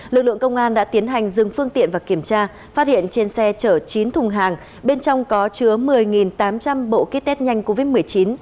lực lượng công an đã tiến hành dừng phương tiện và kiểm tra phát hiện trên xe chở chín thùng hàng bên trong có chứa một mươi tám trăm linh bộ kit test nhanh covid một mươi chín